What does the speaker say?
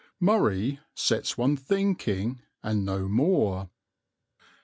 "Murray" sets one thinking and no more.